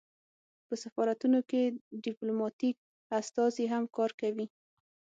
په سفارتونو کې ډیپلوماتیک استازي هم کار کوي